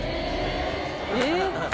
えっ？